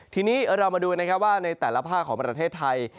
ทีนี้เรามาดูนะครับว่าในแต่ละภาคของประเทศไทย